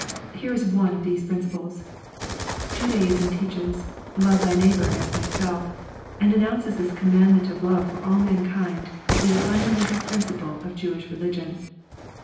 Here is one of these principles: "Judaism teaches: 'Love thy neighbour as thyself' and announces this commandment of love for all mankind to be the fundamental principle of Jewish religion.